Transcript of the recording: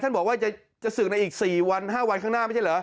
บอกว่าจะศึกในอีก๔วัน๕วันข้างหน้าไม่ใช่เหรอ